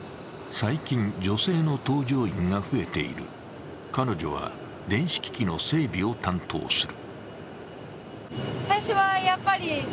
最近、女性の搭乗員が増えている彼女は電子機器の整備を担当する。